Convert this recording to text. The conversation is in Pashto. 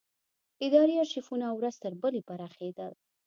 اداري ارشیفونه ورځ تر بلې پراخېدل.